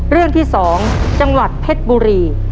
เรื่องที่๒จังหวัดเพชรบุรี